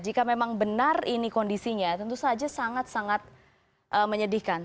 jika memang benar ini kondisinya tentu saja sangat sangat menyedihkan